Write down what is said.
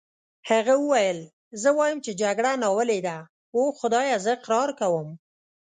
هغه وویل: زه وایم چې جګړه ناولې ده، اوه خدایه زه اقرار کوم.